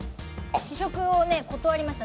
試食を断りました。